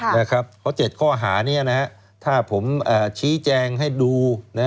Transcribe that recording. เพราะ๗ข้อหานี้ถ้าผมชี้แจงให้ดู